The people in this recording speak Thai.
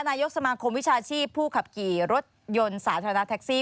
นายกสมาคมวิชาชีพผู้ขับขี่รถยนต์สาธารณะแท็กซี่